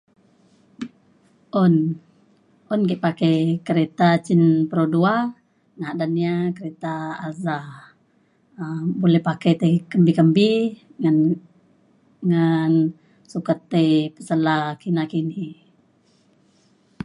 un. un ke' pakai kereta cin perodua ngadan ia kereta alza um boleh pakai tai kempi-kempi ngan ngan sukat tai pesela kina kini.